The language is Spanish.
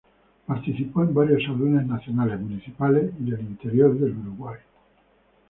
Participó en varios Salones Nacionales, Municipales y del Interior del Uruguay.